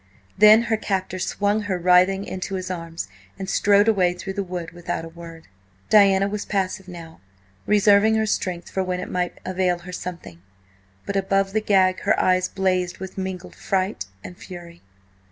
Then her captor swung her writhing into his arms, and strode away through the wood without a word. Diana was passive now, reserving her strength for when it might avail her something, but above the gag her eyes blazed with mingled fright and fury.